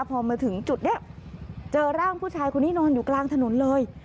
พอมาถึงจุดนี้เจอร่างผู้ชายคนนี้นอนอยู่กลางถนนเลย